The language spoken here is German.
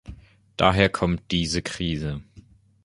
Daher kommt diese Krise.